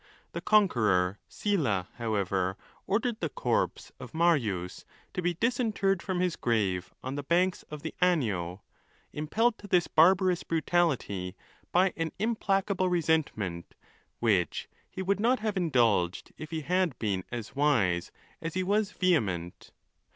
The conqueror Sylla, however, ordered the corpse of Marius to be disinterred from his grave on the banks of the Anio, impelled to this barbarous brutality by an im placable resentment, which he would not have indulged if he had been as wise.as'he was vehement.